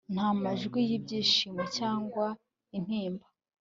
Nta majwi yibyishimo cyangwa intimba